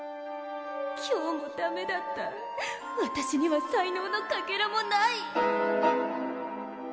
今日もダメだったわたしには才能のかけらもない